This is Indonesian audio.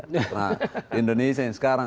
nah indonesia yang sekarang